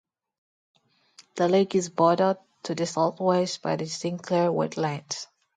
The lake is bordered to the southwest by the Sinclair Wetlands.